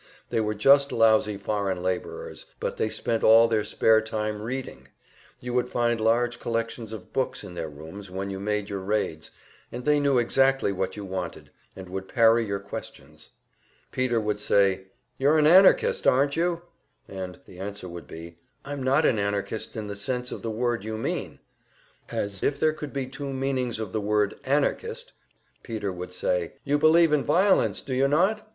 They were just lousy foreign laborers, but they spent all their spare time reading; you would find large collections of books in their rooms when you made your raids, and they knew exactly what you wanted, and would parry your questions. Peter would say: "You're an Anarchist, aren't you?" And the answer would be: "I'm not an Anarchist in the sense of the word you mean" as if there could be two meanings of the word "Anarchist!" Peter would say, "You believe in violence, do you not?"